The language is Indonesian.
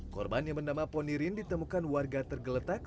korban yang bernama ponirin ditemukan warga tergeletak